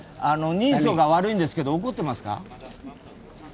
人相が悪いんですけど怒ってますか？